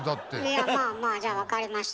いやまあじゃあ分かりました。